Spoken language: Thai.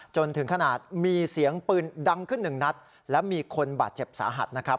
จนถึงขนาดมีเสียงปืนดังขึ้นหนึ่งนัดและมีคนบาดเจ็บสาหัสนะครับ